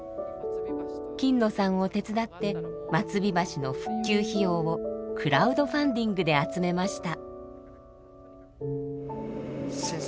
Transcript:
金野さんを手伝って松日橋の復旧費用をクラウドファンディングで集めました。